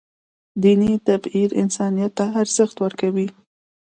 دیني تعبیر انسانیت ته ارزښت ورکوي.